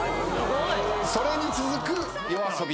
それに続くＹＯＡＳＯＢＩ